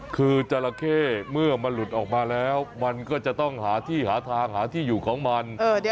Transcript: คือจราเข้เมื่อมันหลุดออกมาแล้วมันก็จะต้องหาที่หาทางหาที่อยู่ของมัน